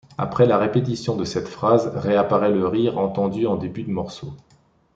Après la répétition de cette phrase réapparaît le rire entendu en début de morceau.